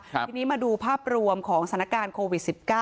ทีนี้มาดูภาพรวมของสถานการณ์โควิด๑๙